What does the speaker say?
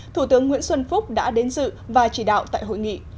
thủ tướng nguyễn xuân phúc đã đến dự và chỉ đạo tại hội nghị